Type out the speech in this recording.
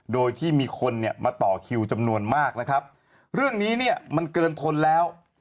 โดยที่มีคนเนี่ยมาต่อคิวจำนวนมากนะครับเรื่องนี้เนี่ยมันเกินทนแล้ว